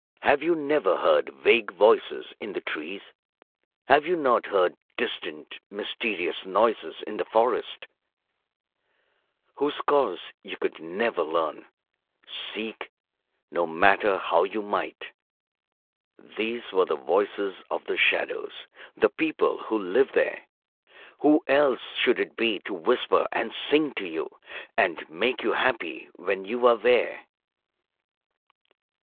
Have you never heard vague voices in the trees? Have you not heard distant, mysterious noises in the forest, whose cause you could never learn, seek no matter how you might? These were the voices of the shadows, the people who live there. Who else should it be to whisper and sing to you and make you happy when you are there?